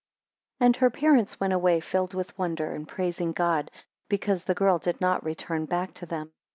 AND her parents went away filled with wonder, and praising God, because the girl did not return back to them.